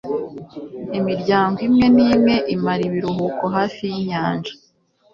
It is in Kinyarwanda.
imiryango imwe n'imwe imara ibiruhuko hafi yinyanja